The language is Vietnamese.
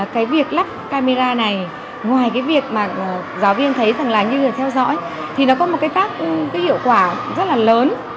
cái việc lắp camera này ngoài cái việc mà giáo viên thấy rằng là như là theo dõi thì nó có một cái tác hiệu quả rất là lớn